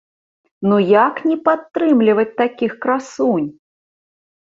Ну як не падтрымліваць такіх красунь?!